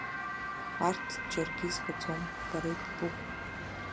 Арҭ џьаргьы изгаӡом, бара ибтәуп.